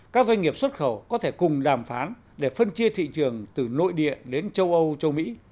các doanh nghiệp xuất khẩu có thể cùng đàm phán để phân chia thị trường từ nội địa đến châu âu châu mỹ